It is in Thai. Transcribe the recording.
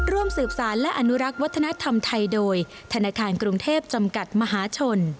ร่วมสืบสารและอนุรักษ์วัฒนธรรมไทยโดยธนาคารกรุงเทพจำกัดมหาชน